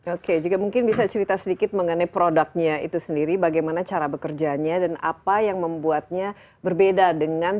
oke juga mungkin bisa cerita sedikit mengenai produknya itu sendiri bagaimana cara bekerjanya dan apa yang membuatnya berbeda dengan